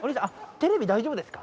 テレビ大丈夫ですか？